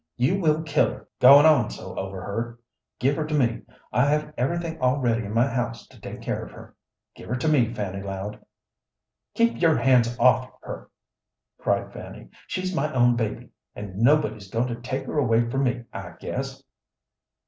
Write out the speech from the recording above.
You will kill her, goin' on so over her. Give her to me! I have everything all ready in my house to take care of her. Give her to me, Fanny Loud!" "Keep your hands off her!" cried Fanny. "She's my own baby, and nobody's goin' to take her away from me, I guess."